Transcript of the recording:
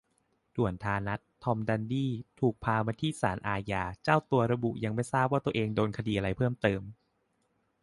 ด่วนธานัท "ทอมดันดี" ถูกพามาที่ศาลอาญา เจ้าตัวระบุยังไม่ทราบว่าตัวเองโดนคดีอะไรเพิ่มเติม